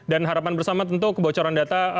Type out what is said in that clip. dan harapan bersama tentu kebocoran data